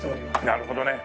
なるほどね。